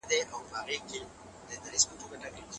موږ اندازه بيا ګورو.